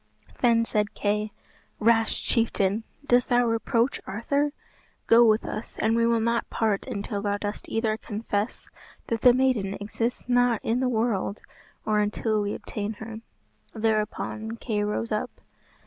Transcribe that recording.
Then said Kay, "Rash chieftain! dost thou reproach Arthur? Go with us, and we will not part until thou dost either confess that the maiden exists not in the world, or until we obtain her." Thereupon Kay rose up.